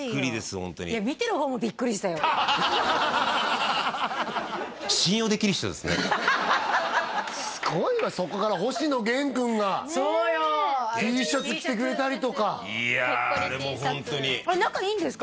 ホントにすごいわそこから星野源くんがそうよＴシャツ着てくれたりとかいやあれもホントに仲いいんですか？